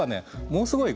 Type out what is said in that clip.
ものすごい